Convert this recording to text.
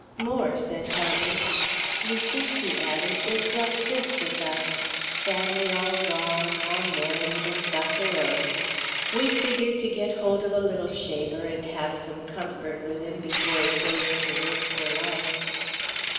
"More," said Helders. "You see," he added, "it's like this with us ... family all gone, all married, and got their own. We figured to get hold of a little shaver and have some comfort with him before he goes to work, for life."